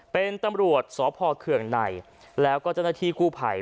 เป็นตำรวจสพเคืองในแล้วก็เจ้าหน้าที่กู้ภัย